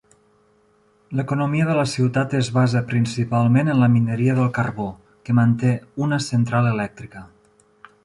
L'economia de la ciutat es basa principalment en la mineria del carbó, que manté una central elèctrica.